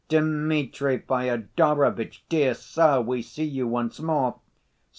"Dmitri Fyodorovitch, dear sir, we see you once more!"